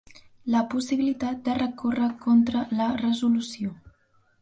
La possibilitat de recórrer contra la resolució.